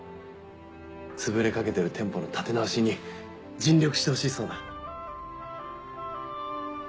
つぶれかけてる店舗の立て直しに尽力してほしいそうだ。